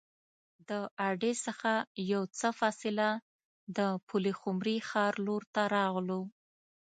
د اډې څخه یو څه فاصله د پلخمري ښار لور ته راغلو.